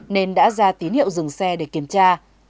nên đã ra tín hiệu dừng xe để kiểm tra